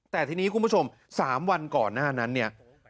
แต่ทีนี้คุณผู้ชม๓วันก่อนหน้านั้นเนี่ย